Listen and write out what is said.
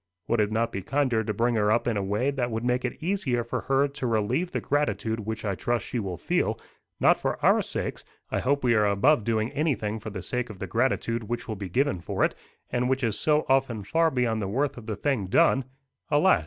Would it not be kinder to bring her up in a way that would make it easier for her to relieve the gratitude which I trust she will feel, not for our sakes I hope we are above doing anything for the sake of the gratitude which will be given for it, and which is so often far beyond the worth of the thing done " "Alas!